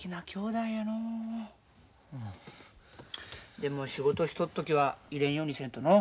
でも仕事しとっ時は入れんようにせんとのう。